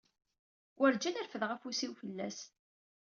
Werǧin rfideɣ afus-iw fell-as.